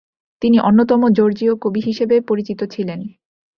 তিনি অন্যতম জর্জীয় কবি হিসেবে পরিচিত ছিলেন।